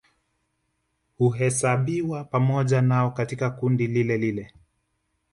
Huhesabiwa pamoja nao katika kundi lilelile